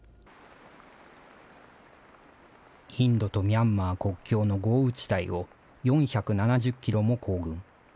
インドとミャンマー国境の豪雨地帯を、４７０キロも行軍。